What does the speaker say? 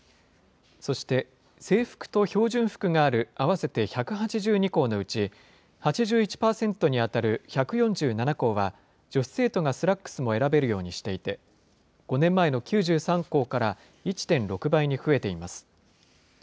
そして制服と標準服がある合わせて１８２校のうち、８１％に当たる１４７校は、女子生徒がスラックスも選べるようにしていて、５年前の９３校から１．６倍に増えています。